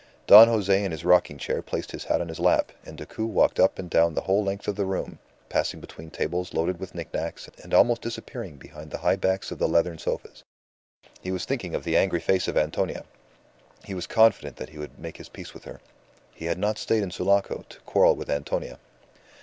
Don Jose in his rocking chair placed his hat on his lap, and Decoud walked up and down the whole length of the room, passing between tables loaded with knick knacks and almost disappearing behind the high backs of leathern sofas. He was thinking of the angry face of Antonia; he was confident that he would make his peace with her. He had not stayed in Sulaco to quarrel with Antonia.